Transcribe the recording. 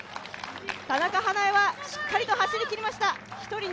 田中華絵はしっかりと走りきりました、。